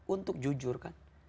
untuk jujur kan